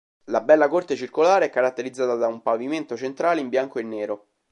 La bella corte circolare è caratterizzata da un pavimento centrale in bianco e nero.